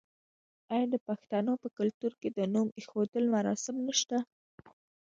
آیا د پښتنو په کلتور کې د نوم ایښودلو مراسم نشته؟